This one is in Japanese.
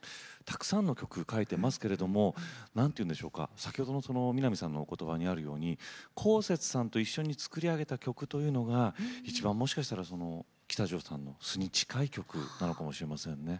たくさんの曲書いてますけれども何ていうんでしょうか先ほどの南さんのお言葉にあるようにこうせつさんと一緒に作り上げた曲というのがいちばんもしかしたら喜多條さんの素に近い曲なのかもしれませんね。